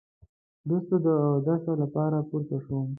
وروسته د اوداسه لپاره پورته شوم.